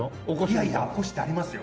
いやいやおこしってありますよ。